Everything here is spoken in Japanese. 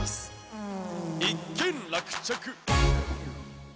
うん。